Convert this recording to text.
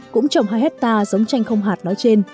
cũng trồng hai hectare giống chanh không hạt nói trên